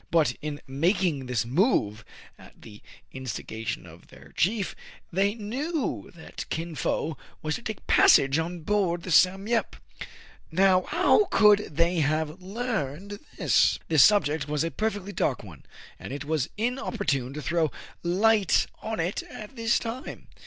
But, in making this move at the instiga tion of their chief, they knew that Kin Fo was to take passage on board the "Sam Yep." Now, how could they have learned this ? This subject was a perfectly dark one, and it was inopportune to try to throw light on it at this time.